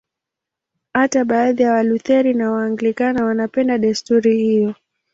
Hata baadhi ya Walutheri na Waanglikana wanapenda desturi hiyo.